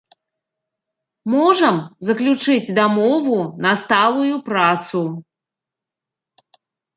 Можам заключыць дамову на сталую працу.